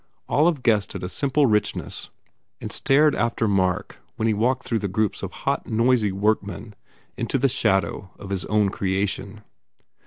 Olive guessed at a simple richness and stared after Mark when he walked through groups of hot, noisy workmen into the shadow of his own creation.